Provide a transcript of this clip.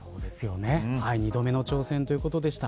２度目の挑戦ということでした。